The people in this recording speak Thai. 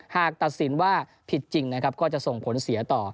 หากตัดสินว่าผิดจริงนะครับก็จะส่งผลเสียต่อ